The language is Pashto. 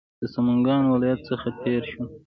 د سمنګانو ولایت څخه تېر شولو.